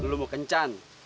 lu mau kencan